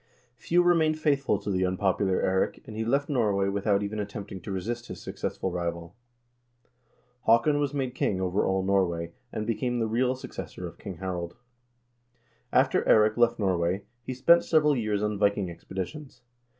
Few remained faithful to the unpopular Eirik, and he left Norway without even attempting to resist his suc cessful rival. Haakon was made king over all Norway, and became the real successor of King Harald. After Eirik left Norway, he spent several years on Viking expedi tions.